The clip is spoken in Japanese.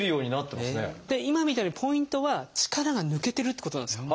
今みたいにポイントは力が抜けてるってことなんですよ。